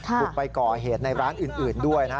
บุกไปก่อเหตุในร้านอื่นด้วยนะฮะ